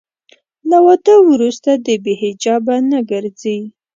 له واده وروسته دې بې حجابه نه ګرځي.